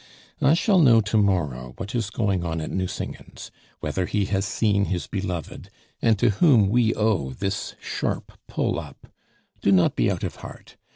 I shall know to morrow what is going on at Nucingen's, whether he has seen his beloved, and to whom we owe this sharp pull up. Do not be out of heart.